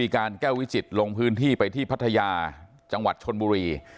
การแก้ววิจิตรลงพื้นที่ไปที่พัทยาจังหวัดชนบุรี